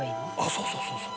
「そうそうそうそう」